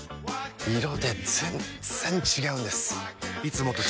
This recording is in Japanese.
色で全然違うんです！